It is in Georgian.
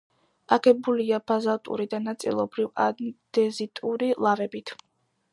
აგებულია ბაზალტური და ნაწილობრივ ანდეზიტური ლავებით.